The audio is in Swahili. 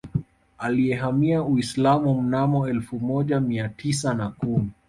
Aliyehamia Uislamu mnamo elfu moja Mia tisa na kumi